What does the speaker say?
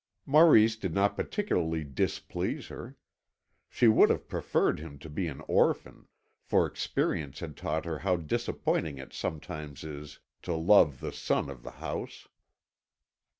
Maurice did not particularly displease her. She would have preferred him to be an orphan, for experience had taught her how disappointing it sometimes is to love the son of the house.